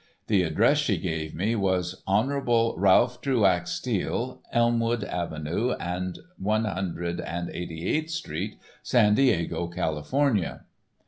The address she gave me was "Hon. Ralph Truax Steele, Elmwood avenue and One Hundred and Eighty eighth street, San Diego, California."